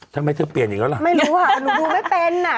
ทำไมเธอเปลี่ยนอย่างเงัยนะไม่รู้หรอหนูดูไม่เป็นน่ะ